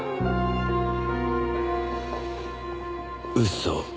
嘘。